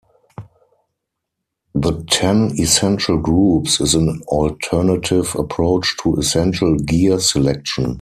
The "Ten Essential Groups" is an alternative approach to essential gear selection.